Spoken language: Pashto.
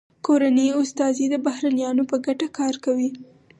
کورني استازي د بهرنیانو په ګټه کار کوي